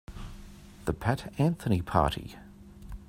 The Pat Anthony Party.